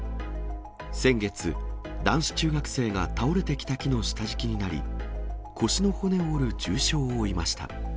先月、男子中学生が倒れてきた木の下敷きになり、腰の骨を折る重傷を負いました。